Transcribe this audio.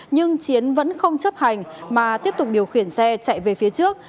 nhưng chiến vẫn không chấp hành mà tiếp tục điều khiển xe chạy về phía trước